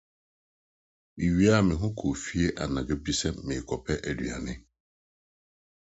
Miwiaa me ho kɔɔ fie anadwo bi sɛ merekɔpɛ aduan.